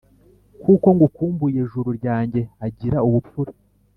kuko ngukumbuye juru ryanjye.agira ubufura,